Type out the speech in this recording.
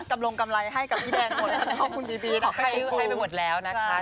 กำลังกำไรให้กับพี่แดงหมด